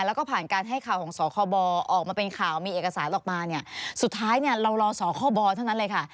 เอกสารออกมาเนี่ยสุดท้ายเนี่ยเรารอส่อข้อบอลเท่านั้นเลยค่ะ